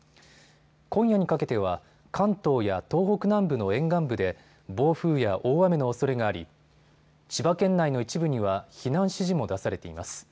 今夜にかけては関東や東北南部の沿岸部で暴風や大雨のおそれがあり千葉県内の一部には避難指示も出されています。